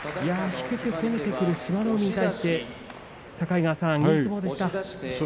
低く攻めてくる志摩ノ海に対して境川さん、いい相撲でした。